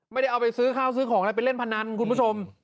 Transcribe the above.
ไม่ได้เอาไปซื้อข้าวซื้อของอะไรไปเล่นพนันคุณผู้ชม